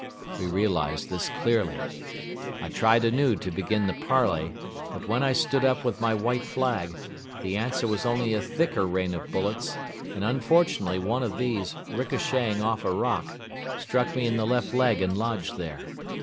We realized this clearly. I tried anew to begin the parley; but when I stood up with my white flag, the answer was only a thicker rain of bullets and unfortunately one of these, ricocheting off a rock, struck me in the left leg and lodged there.